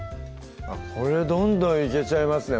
これどんどんいけちゃいますね